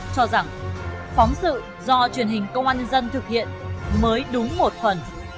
cho rằng phóng sự do truyền hình công an nhân dân thực hiện mới đúng một phần